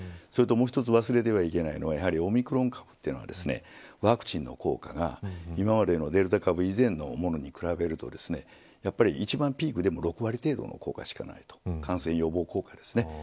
それともう一つ忘れていけないのはオミクロン株というのはワクチンの効果が今までのデルタ株以前のものに比べるとやはり一番ピークでも６割程度の効果しかない感染予防効果ですね。